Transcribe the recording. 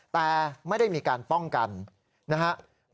แต่ไม่ได้มีการป้องกันนะครับ